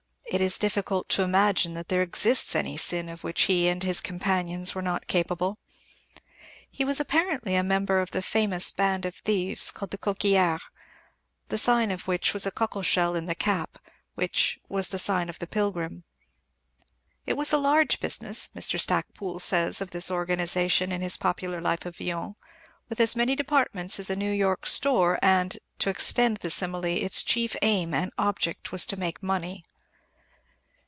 It is difficult to imagine that there exists any sin of which he and his companions were not capable. He was apparently a member of the famous band of thieves called the Coquillards, the sign of which was a cockle shell in the cap, "which was the sign of the Pilgrim." "It was a large business," Mr. Stacpoole says of this organization in his popular life of Villon, "with as many departments as a New York store, and, to extend the simile, its chief aim and object was to make money.